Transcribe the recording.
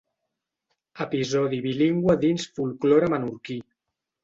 Episodi bilingüe dins Folklore Menorquí.